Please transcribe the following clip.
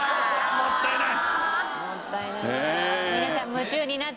もったいないな。